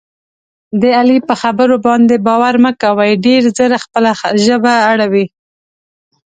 د علي په خبرو باندې باور مه کوئ. ډېر زر خپله ژبه اړوي.